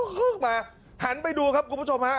ฮึกมาหันไปดูครับคุณผู้ชมฮะ